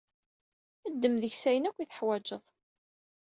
Ddem deg-s ayen ark i teḥwaǧeḍ.